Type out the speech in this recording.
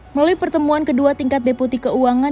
melalui pertemuan kedua tingkat deputi keuangan